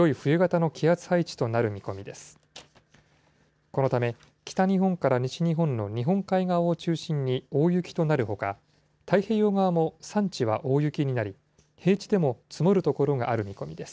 このため、北日本から西日本の日本海側を中心に大雪となるほか、太平洋側も山地は大雪になり、平地でも積もる所がある見込みです。